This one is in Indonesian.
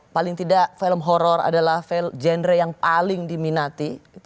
paling tidak film horror adalah genre yang paling diminati